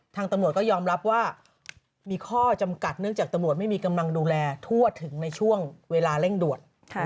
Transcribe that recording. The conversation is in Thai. ทางตำรวจก็ยอมรับว่ามีข้อจำกัดเนื่องจากตำรวจไม่มีกำลังดูแลทั่วถึงในช่วงเวลาเร่งด่วน